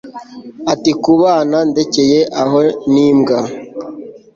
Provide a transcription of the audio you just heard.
ati kubana ndekeye aho ni mbwa